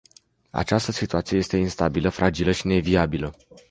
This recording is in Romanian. Această situație este instabilă, fragilă și neviabilă.